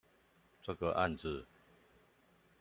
這個案子